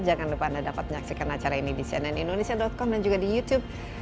jangan lupa anda dapat menyaksikan acara ini di cnnindonesia com dan juga di youtube